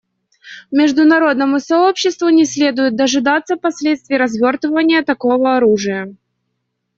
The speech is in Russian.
Международному сообществу не следует дожидаться последствий развертывания такого оружия.